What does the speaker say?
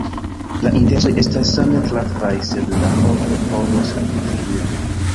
La intencoj estas same trafaj, sed la homoj ne povos apliki ilin.